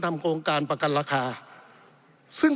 ปี๑เกณฑ์ทหารแสน๒